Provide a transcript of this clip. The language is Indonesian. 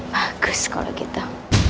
bagus kalau gitu